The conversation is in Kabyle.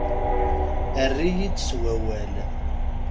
Err-iyi-d s wawal.